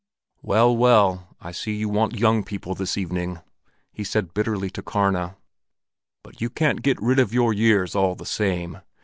"Well, well, I see you want young people this evening!" he said bitterly to Karna. "But you can't get rid of your years, all the same!